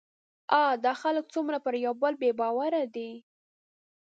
اه! دا خلک څومره پر يوبل بې باوره دي